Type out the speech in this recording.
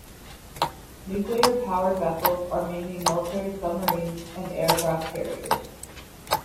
Nuclear-powered vessels are mainly military submarines, and aircraft carriers.